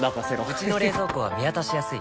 うちの冷蔵庫は見渡しやすい